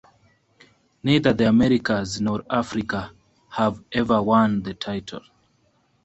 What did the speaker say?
Neither the Americas nor Africa have ever won the title.